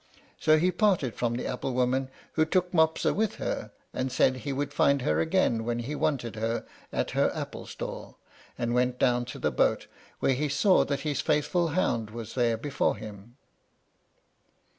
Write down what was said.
So he parted from the apple woman, who took Mopsa with her, and said he would find her again when he wanted her at her apple stall, and went down to the boat, where he saw that his faithful hound was there before him.